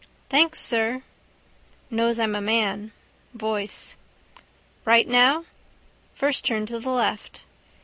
—Thanks, sir. Knows I'm a man. Voice. —Right now? First turn to the left.